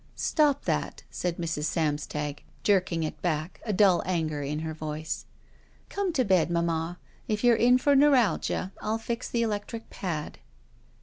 ''Stop that," said Mrs. Samstag, jerking it back, a dull anger in her voice. "Come to bed, mamma. K you're in for neu ralgia, I'll fix the electric pad."